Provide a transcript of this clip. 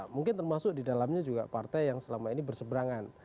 mungkin termasuk di dalamnya juga partai yang selama ini berseberangan